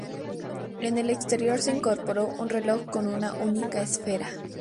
En el exterior se incorporó un reloj con una única esfera.